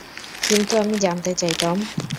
কিন্তু আমি জানতে চাই, টম।